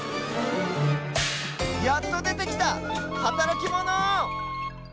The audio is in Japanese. やっとでてきたはたらきモノ！